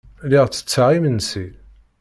Lliɣ ttetteɣ imensi.